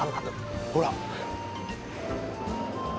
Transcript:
ほら。